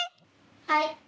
はい。